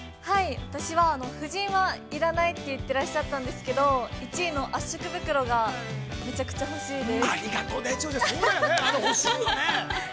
◆私は、夫人は要らないって言ってらしたんですけど、１位の圧縮袋がめちゃくちゃ欲しいです。